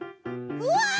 うわ！